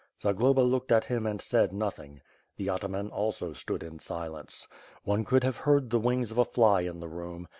Zagloba looked at him and said nothing. The ataman also stood in silence. One could have heard the wings of a fly in the room.